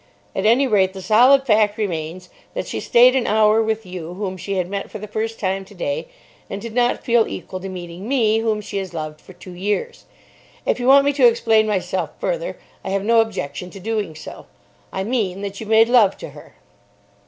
At any rate, the solid fact remains that she stayed an hour with you, whom she had met for the first time today, and did not feel equal to meeting me, whom she has loved for two years. If you want me to explain myself further, I have no objection to doing so. I mean that you made love to her."